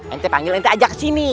ente panggil ente ajak sini